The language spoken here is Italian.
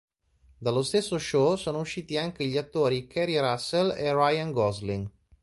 Dallo stesso show sono usciti anche gli attori Keri Russell e Ryan Gosling.